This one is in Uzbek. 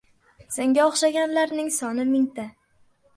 Senga o‘xshaganlar- ning soni mingta!